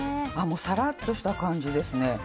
さらっとした感じですね。